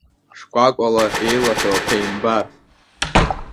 Шкәакәала еилаҳәоу аԥеҳамбар!